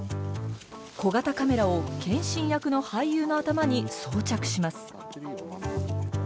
小型カメラを謙信役の俳優の頭に装着します。